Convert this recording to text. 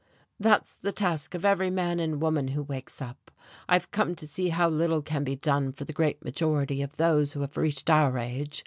"That's the task of every man and woman who wakes up. I've come to see how little can be done for the great majority of those who have reached our age.